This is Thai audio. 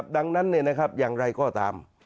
ดังนั้นอย่างไรก็ตาม